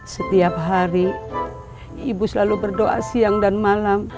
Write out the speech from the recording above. setiap hari ibu selalu berdoa siang dan malam